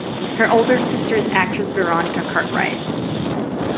Her older sister is actress Veronica Cartwright.